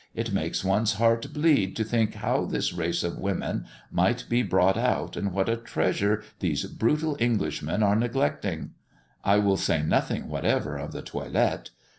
It makes one's heart bleed, to think how this race of women might be brought out, and what a treasure these brutal Englishmen are neglecting! I will say nothing whatever of the toilet.